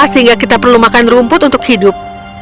sehingga kita perlu makan rumput untuk hidup